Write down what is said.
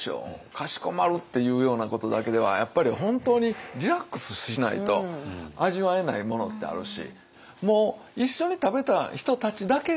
かしこまるっていうようなことだけではやっぱり本当にリラックスしないと味わえないものってあるし。